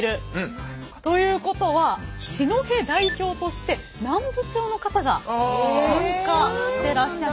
ということは四戸代表として南部町の方が参加してらっしゃる。